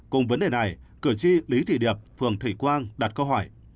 cùng vấn đề này cử tri lý thị điệp phường thủy quang đặt câu hỏi